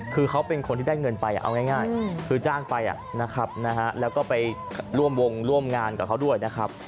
คือเขาเป็นคนที่ได้เงินไปเอาง่ายคือจ้างไปนะครับแล้วก็ไปร่วมวงร่วมงานกับเขาด้วยนะครับ